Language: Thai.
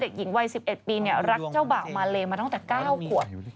เด็กหญิงวัย๑๑ปีรักเจ้าบ่าวมาเลมาตั้งแต่๙ขวบ